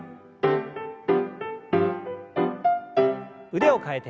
腕を替えて。